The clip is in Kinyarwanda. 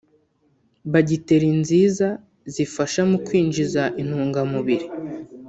Bagiteri nziza zifasha mu kwinjiza intungamubiri